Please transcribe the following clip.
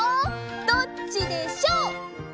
どっちでしょう！